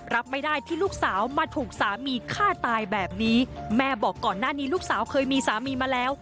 รับไม่ได้ที่ลูกสาวมาถูกสามีฆ่าตายแบบนี้แม่บอกก่อนหน้านี้ลูกสาวเคยมีสามีมาแล้ว